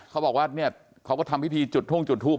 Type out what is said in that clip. เขาบอกว่าเนี่ยเขาก็ทำพิธีจุดทุ่งจุดทูป